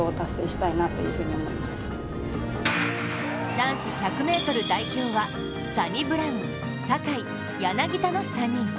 男子１００ｍ代表は、サニブラウン、坂井、柳田の３人。